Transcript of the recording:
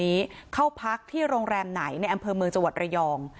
นี้เข้าพักที่โรงแรมไหนในอำเภอเมืองจังหวัดระยอง